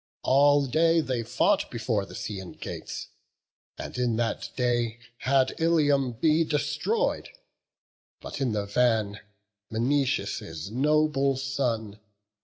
All day they fought before the Scaean* gates; And in that day had Ilium been destroy'd, But in the van, Menoetius' noble son.